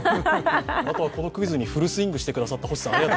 あとはこのクイズにフルスイングしてくださった星さん